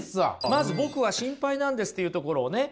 まず「僕は心配なんです」っていうところをね